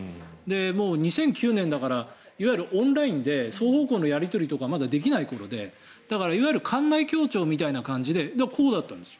２００９年だからいわゆるオンラインで双方向のやり取りとかまだできない頃で館内共聴みたいな感じでこうだったんですよ。